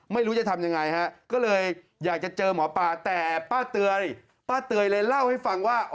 ไม่รู้จะทำยังไงฮะก็เลยอยากจะเจอหมอปลาแต่ป้าเตยป้าเตยเลยเล่าให้ฟังว่า